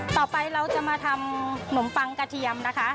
ต่อไปเราจะมาทำขนมปังกระเทียมนะคะ